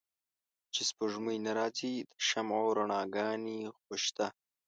چې سپوږمۍ نه را ځي د شمعو رڼاګا نې خوشته